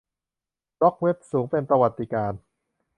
บล็อคเว็บสูงเป็นประวัติการณ์